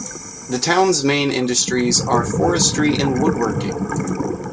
The town's main industries are forestry and woodworking.